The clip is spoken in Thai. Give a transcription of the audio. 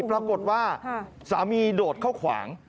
ปรากฏว่าสามีโดดเข้าขวาง